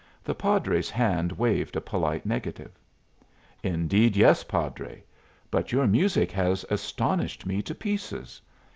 The padre's hand waved a polite negative. "Indeed yes, padre. But your music has astonished me to pieces.